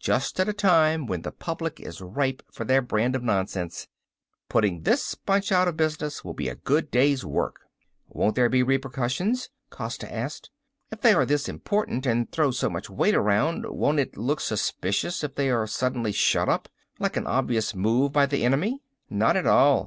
Just at a time when the public is ripe for their brand of nonsense. Putting this bunch out of business will be a good day's work." "Won't there be repercussions?" Costa asked. "If they are this important and throw so much weight around won't it look suspicious if they are suddenly shut up. Like an obvious move by the enemy?" "Not at all.